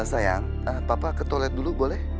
sayang papa ke toilet dulu boleh